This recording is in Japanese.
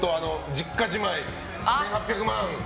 実家じまい、１８００万。